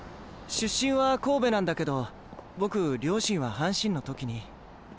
出身は神戸なんだけど僕両親は阪神の時に。